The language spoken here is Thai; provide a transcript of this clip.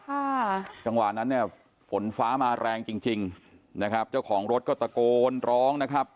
จังหวะนั้นเนี่ยฝนฟ้ามาแรงจริงจริงนะครับเจ้าของรถก็ตะโกนร้องนะครับ